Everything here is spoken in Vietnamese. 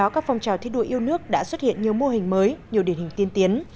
các phong trào thi đua yêu nước đã xuất hiện nhiều mô hình mới nhiều điển hình tiên tiến